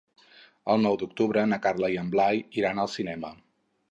El nou d'octubre na Carla i en Blai iran al cinema.